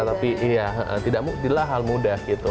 tapi iya tidak mudah